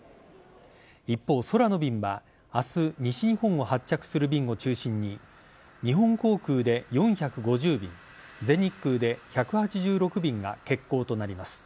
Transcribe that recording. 一方、空の便は明日西日本を発着する便を中心に日本航空で４５０便全日空で１８６便が欠航となります。